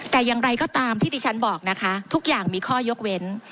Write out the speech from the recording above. แต่อย่างไรก็ตามที่ดิฉันบอกนะคะทุกอย่างมีข้อยกเว้น